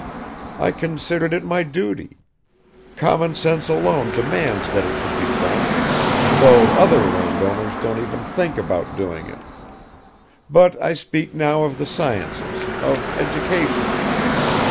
I considered it my duty; common sense alone demands that it should be done, though other landowners don't even think about doing it. But I speak now of the sciences, of education."